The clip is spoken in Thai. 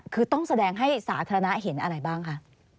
คือต้องแสดงให้สาธารณะเห็นอะไรบ้างคะ